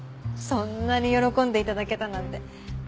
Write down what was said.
そんなに喜んで頂けたなんて。